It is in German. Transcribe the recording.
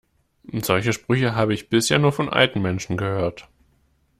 Solche Sprüche habe ich bisher nur von alten Menschen gehört.